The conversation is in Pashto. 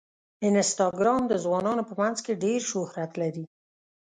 انسټاګرام د ځوانانو په منځ کې ډېر شهرت لري.